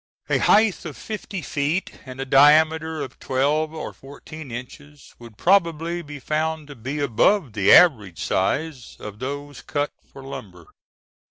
A height of fifty feet and diameter of twelve or fourteen inches would probably be found to be above the average size of those cut for lumber.